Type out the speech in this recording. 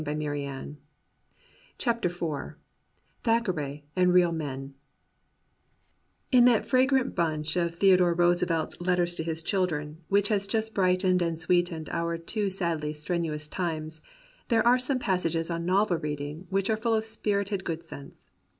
102 THACKERAY AND REAL MEN THACKERAY AND REAL MEN In that fragrant bunch of Theodore RooseveWs Letters to His Children which has just brightened and sweetened our too sadly strenuous times there are some passages on novel reading which are full of spirited good sense.